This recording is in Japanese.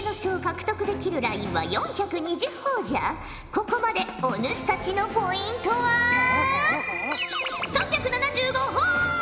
ここまでお主たちのポイントは３７５ほぉ！